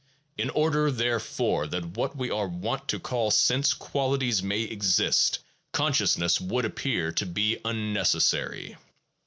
In order, therefore, that what we are wont to call sense qualities may exist, consciousness would appear to be unnecessary.